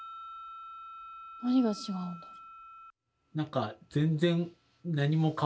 何が違うんだろう。